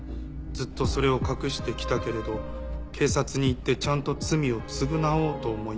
「ずっとそれを隠してきたけれどけいさつに行ってちゃんと罪をつぐなおうと思います」